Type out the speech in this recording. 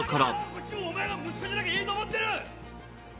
こっちもお前が息子じゃなきゃいいと思ってる！